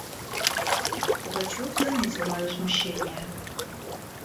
Пугачев заметил мое смущение.